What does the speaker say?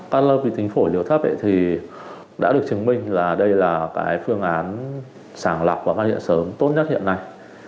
cắt lớp vi tính phổi liều thấp thì đã được chứng minh là đây là cái phương án sàng lọc và phát hiện sớm tốt nhất hiện nay